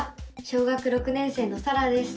小学６年生のさらです。